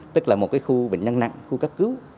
tức là một cái khu bệnh nhân nặng khu cắt cứu